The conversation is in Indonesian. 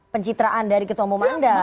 pencitraan dari ketomong manda